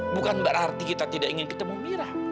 bukan berarti kita tidak ingin ketemu mira